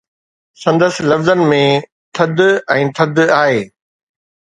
سندس لفظن ۾ ٿڌ ۽ ٿڌ آهي